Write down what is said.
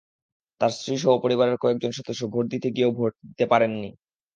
তাঁর স্ত্রীসহ পরিবারের কয়েকজন সদস্য ভোট দিতে গিয়েও ভোট দিতে পারেননি।